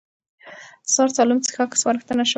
سهار سالم څښاک سپارښتنه شوه.